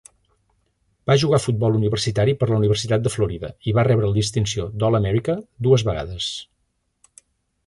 Va jugar a futbol universitari per a la Universitat de Florida i va rebre la distinció d'All-Americà dues vegades.